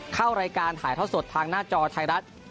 เข้ารายการถ่ายท่อสดทางหน้าจอไทยรัฐ